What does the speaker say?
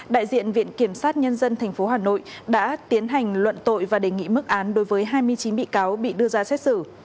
đại diện viện kiểm sát nhân dân tp hà nội đã tiến hành luận tội và đề nghị mức án đối với hai mươi chín bị cáo bị đưa ra xét xử